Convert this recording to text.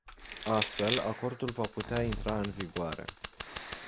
Astfel, acordul va putea intra în vigoare.